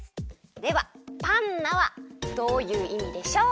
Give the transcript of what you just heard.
ではパンナはどういういみでしょう？